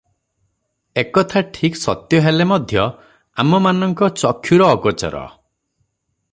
ଏ କଥା ଠିକ୍ ସତ୍ୟ ହେଲେ ମଧ୍ୟ ଆମମାନଙ୍କ ଚକ୍ଷୁର ଅଗୋଚର ।